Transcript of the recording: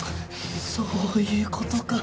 そういうことか。